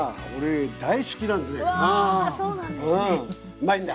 うまいんだ！